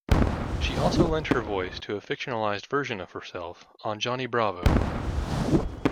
She also lent her voice to a fictionalized version of herself on "Johnny Bravo".